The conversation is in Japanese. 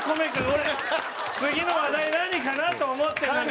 俺次の話題何かな？と思ってるのに。